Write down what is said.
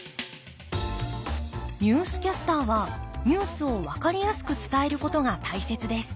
ニュースキャスターはニュースを分かりやすく伝えることが大切です。